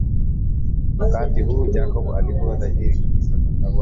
Wakati huu Jacob alikuwa tayari kabisa kwenda Rwanda